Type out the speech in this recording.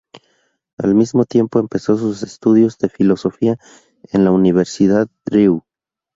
Al mismo tiempo empezó sus estudios de filosofía en la Universidad Drew.